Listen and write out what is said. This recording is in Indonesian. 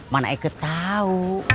mana eket tau